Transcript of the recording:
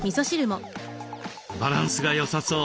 バランスがよさそう。